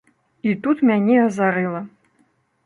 І тут мяне азарыла!